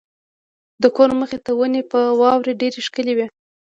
د کور مخې ته ونې په واورو ډېرې ښکلې وې.